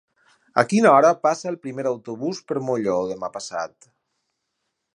A quina hora passa el primer autobús per Molló demà passat?